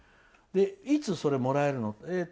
いつそれもらえるの？